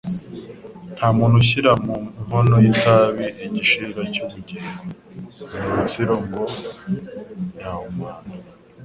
Nta muntu ushyira mu nkono y’itabi igishirira cy’urubingo, ni urutsiro, ngo yahumana